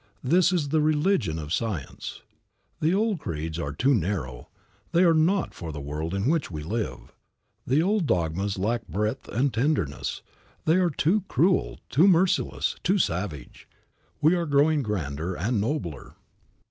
This is the religion of science. The old creeds are too narrow, they are not for the world in which we live. The old dogmas lack breadth and tenderness; they are too cruel, too merciless, too savage. We are growing grander and nobler.